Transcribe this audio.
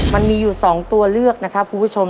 มันมีอยู่๒ตัวเลือกนะครับคุณผู้ชม